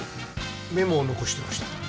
メモを残してました。